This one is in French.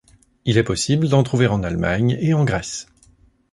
Il est possible d'en trouver en Allemagne et en Grèce.